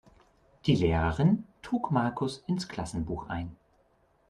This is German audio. Die Lehrerin trug Markus ins Klassenbuch ein.